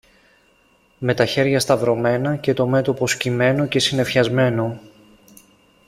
με τα χέρια σταυρωμένα και το μέτωπο σκυμμένο και συννεφιασμένο